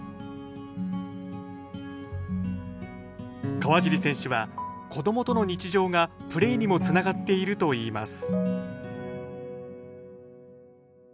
川尻選手は子どもとの日常がプレーにもつながっているといいます